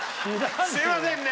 すみませんね！